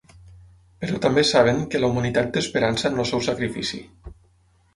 Però també saben que la humanitat té esperança en el seu sacrifici.